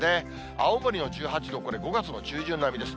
青森の１８度、これ、５月の中旬並みです。